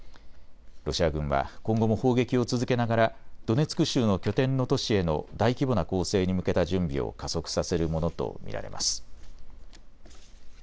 ロシア軍は今後も砲撃を続けながらドネツク州の拠点の都市への大規模な攻勢に向けた準備を加速させるものと見られます。